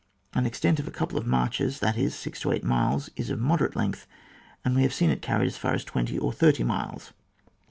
An extent of a couple of marches, that is, six to eight miles is of moderate length, and we have seen it carried as far as twenty or thirty miles.